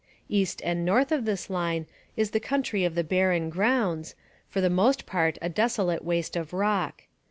East and north of this line is the country of the barren grounds, for the most part a desolate waste of rock.